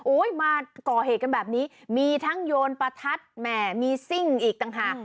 มาก่อเหตุกันแบบนี้มีทั้งโยนประทัดแหมมีซิ่งอีกต่างหาก